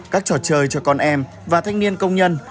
các trò chơi cho con em và thanh niên công nhân